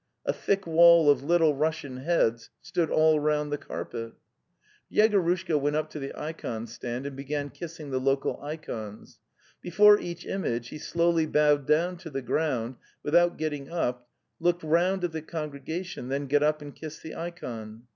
..." A thick wall of Little Russian heads stood all round the carpet. Yegorushka went up to the ikon stand and began kissing the local ikons. Before each image he slowly bowed down to the ground, without getting up, looked round at the congregation, then got up and kissed the ikon.